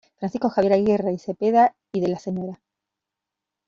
Francisco Javier Aguirre y Cepeda y de la Sra.